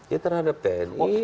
ya terhadap tni